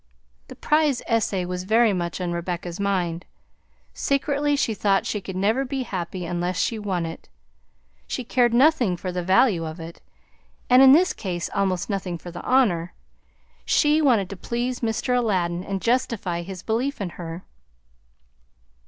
The prize essay was very much on Rebecca's mind. Secretly she thought she could never be happy unless she won it. She cared nothing for the value of it, and in this case almost nothing for the honor; she wanted to please Mr. Aladdin and justify his belief in her.